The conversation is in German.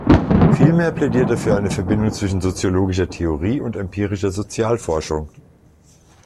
Vielmehr plädiert er für eine Verbindung zwischen soziologischer Theorie und empirischer Sozialforschung.